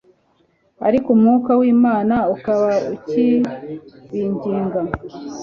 ariko Umwuka wImana akaba akibinginga